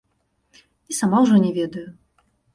І сама ўжо не ведаю.